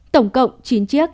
tổng cộng chín chiếc